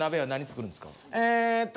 えっと